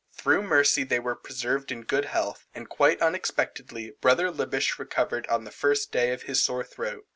Through mercy they were preserved in good health, and, quite unexpectedly, brother Liebisch recovered on the first day of his sore throat.